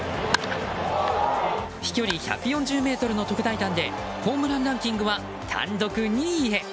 飛距離１４０ｍの特大弾でホームランランキングは単独２位へ！